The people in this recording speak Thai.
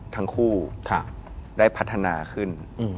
ทั้งคู่ได้พัฒนาขึ้น